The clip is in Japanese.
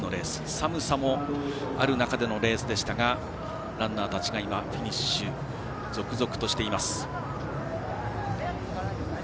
寒さもある中でのレースでしたがランナーたちが今、フィニッシュ続々としています。